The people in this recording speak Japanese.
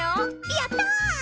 やった！